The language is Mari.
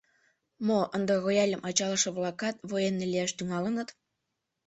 — Мо, ынде рояльым ачалыше-влакат военный лияш тӱҥалыныт?